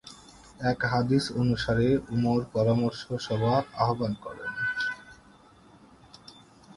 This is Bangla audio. এক হাদিস অনুসারে উমর পরামর্শ সভা আহবান করেন।